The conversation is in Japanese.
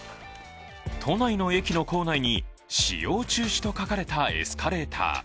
都内の駅の構内に使用中止と書かれたエスカレーター。